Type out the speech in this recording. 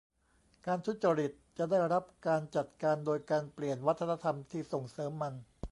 การทุจริตจะได้รับการจัดการโดยการเปลี่ยนวัฒนธรรมที่ส่งเสริมมัน